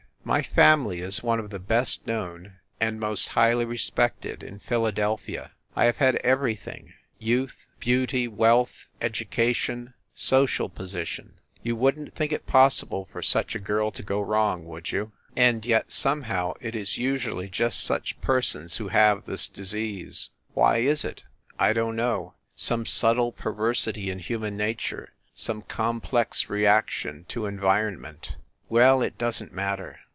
My family is one of the best known and most highly respected in Philadelphia. I have had every thing youth, beauty, wealth, education, social po THE SUITE AT THE PLAZA 127 sition. You wouldn t think it possible for such a girl to go wrong, would you? And yet, somehow, it is usually just such persons who have this disease. Why is it? I don t know some subtle perversity in human nature, some complex reaction to environ ment well, it doesn t matter.